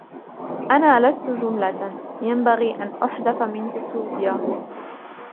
أنا لستُ جملةً. ينبغي أن أحذف من تتويبا.